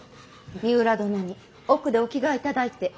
三浦殿に奥でお着替えいただいて。